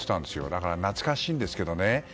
だから懐かしいんですけど。